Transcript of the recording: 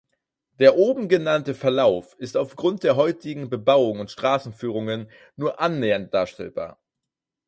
Der oben genannte Verlauf ist aufgrund der heutigen Bebauung und Straßenführungen nur annähernd darstellbar.